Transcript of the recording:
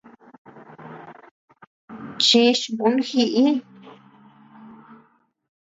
Chich un jiʼi.